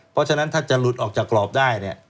เพราะฉะนั้นถ้าจะหลุดออกจากกรอบได้เนี่ย